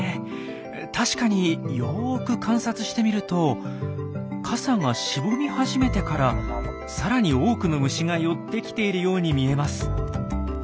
たしかによく観察してみると傘がしぼみ始めてからさらに多くの虫が寄ってきているように見えます。